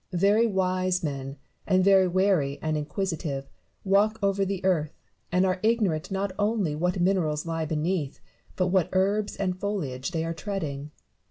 Very wise men, and very wary and inquisitive, walk over the earth, and are ignorant not only what minerals lie beneath, but what herbs and foliage they are treading.